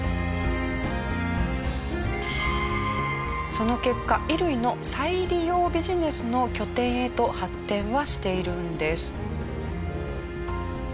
その結果衣類の再利用ビジネスの拠点へと発展はしているんです。